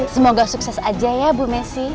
semoga sukses aja ya bu messi